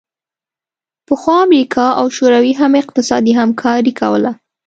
پخوا امریکا او شوروي هم اقتصادي همکاري کوله